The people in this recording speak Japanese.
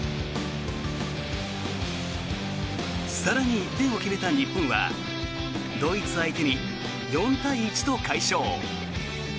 更に１点を決めた日本はドイツ相手に４対１と快勝。